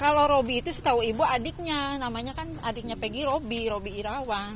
kalau roby itu setahu ibu adiknya namanya kan adiknya pegi roby robi irawan